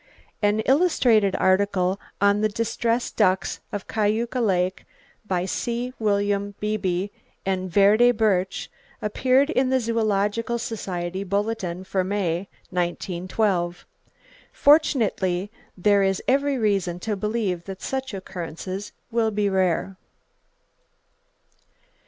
An illustrated article on the distressed ducks of Keuka Lake, by C. William Beebe and Verdi Burtch, appeared in the Zoological Society Bulletin for May, 1912. Fortunately there is every reason to believe that such occurrences will be rare.